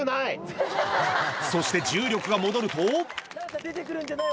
そして重力が戻ると何か出てくるんじゃない？